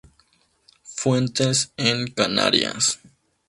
Fuentes en Canarias.